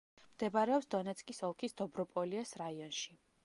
მდებარეობს დონეცკის ოლქის დობროპოლიეს რაიონში.